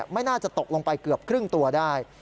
ไม่น่าจะตกลงไปเกือบครึ่งตัวได้